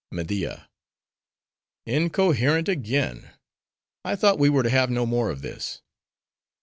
MEDIA—Incoherent again! I thought we were to have no more of this!